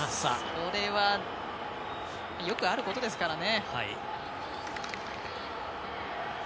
これはよくあることですからね。